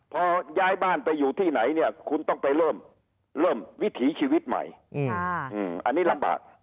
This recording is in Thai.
พอย้ายบ้านไปอยู่ที่ไหนเนี่ยคุณต้องไปเริ่มวิถีชีวิตใหม่อันนี้ลำบาก